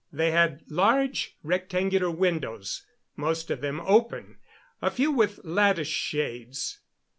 They had large rectangular windows, most of them open, a few with lattice shades.